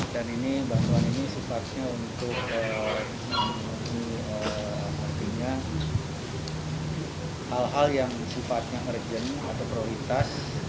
dan ini bantuan ini sifatnya untuk mengurangi hal hal yang sifatnya urgent atau prioritas